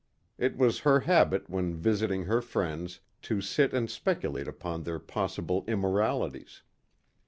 It was her habit when visiting her friends to sit and speculate upon their possible immoralities.